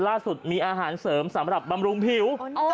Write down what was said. ล่าสุดมีอาหารเสริมสำหรับบำรุงผิว